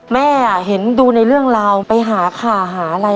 แม่เห็นดูในเรื่องราวไปหาข่าวหาอะไร